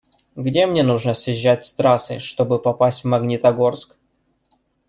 Где мне нужно съезжать с трассы, чтобы попасть в Магнитогорск?